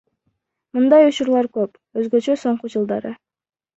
Мындай учурлар көп, өзгөчө соңку жылдары.